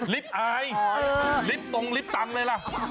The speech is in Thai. ลิฟต์อายลิฟต์ตรงลิฟตังเลยล่ะ